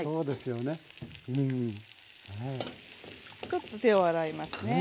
ちょっと手を洗いますね。